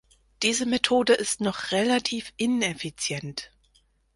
Diese Methode ist noch relativ ineffizient.